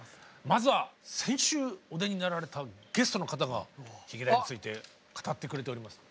まずは先週お出になられたゲストの方がヒゲダンについて語ってくれております。